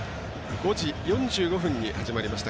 ５時４５分に始まりました